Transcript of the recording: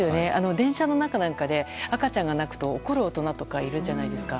電車の中で赤ちゃんが泣くと怒る大人とかいるじゃないですか。